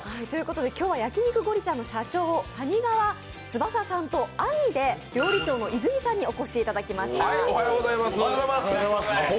今日は焼肉ごりちゃんの社長谷川翼さんと、兄で料理長の泉さんにお越しいただきました。